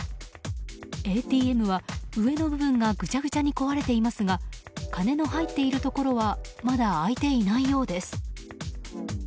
ＡＴＭは、上の部分がぐちゃぐちゃに壊れていますが金の入っているところはまだ開いていないようです。